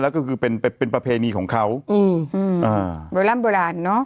แล้วก็คือเป็นเป็นประเพณีของเขาอืมอ่าโบร่ำโบราณเนอะ